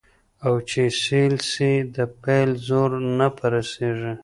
او چي سېل سي د پیل زور نه په رسیږي